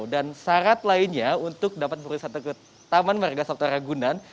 dan syarat lainnya untuk dapat berwisata ke taman warga suat raya ragunan